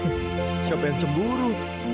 enggak siapa yang cemburu